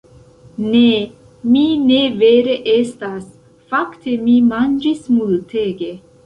Ne, mi ne vere estas... fakte mi manĝis multege